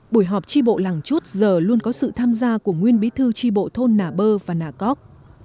buổi họp tri bộ làng chút giờ luôn có sự tham gia của nguyên bí thư tri bộ thôn nà bơ và nà cóc